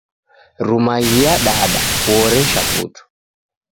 Rumaghia dada, kuhoresha putu.